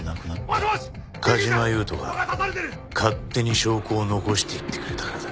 梶間優人が勝手に証拠を残していってくれたからだ。